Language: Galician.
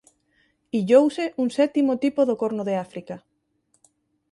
Illouse un sétimo tipo do Corno de África.